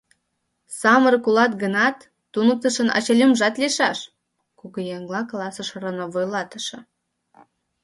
Самырык улат гынат, туныктышын ачалӱмжат лийшаш, — кугыеҥла каласыш роно вуйлатыше.